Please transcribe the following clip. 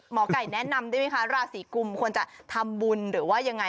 หมอไก่แนะนำได้ไหมคะราศีกุมควรจะทำบุญหรือว่ายังไง